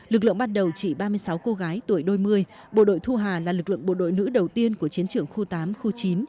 lực lượng ban đầu chỉ ba mươi sáu cô gái tuổi đôi mươi bộ đội thu hà là lực lượng bộ đội nữ đầu tiên của chiến trưởng khu tám khu chín